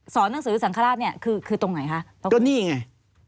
หนังสือสังฆราชเนี่ยคือคือตรงไหนคะก็นี่ไง